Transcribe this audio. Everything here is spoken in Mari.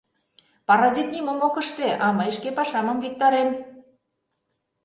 Паразит нимом ок ыште, а мый шке пашамым виктарем.